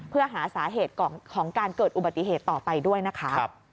เพื่อหาสาเหตุของการเกิดอุบัติเหตุต่อไปด้วยนะคะ